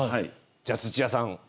じゃあ土屋さん。